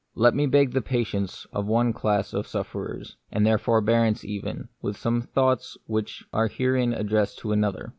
Let me beg the patience of one class of The Mystery of Pain. sufferers, and their forbearance even, with some of the thoughts which are herein ad dressed to another.